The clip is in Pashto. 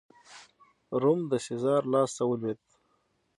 روم د سزار لاسته ولوېد.